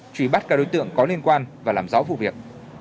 truy bắt các đối tượng có liên quan và làm rõ vụ việc